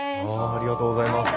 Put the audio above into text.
ありがとうございます。